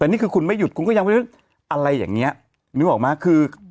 แต่นี่คือคุณไม่หยุดคุณก็ยังไม่รู้อะไรอย่างนี้นึกออกไหมคือ